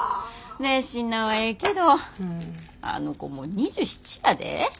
熱心なんはええけどあの子もう２７やで？